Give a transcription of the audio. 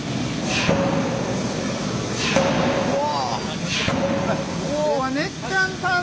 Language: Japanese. うわ。